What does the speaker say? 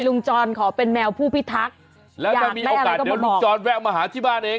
จรขอเป็นแมวผู้พิทักษ์แล้วถ้ามีโอกาสเดี๋ยวลุงจรแวะมาหาที่บ้านเอง